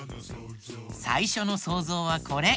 さいしょのそうぞうはこれ。